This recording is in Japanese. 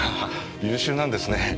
優秀なんですね。